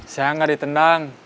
saya nggak ditendang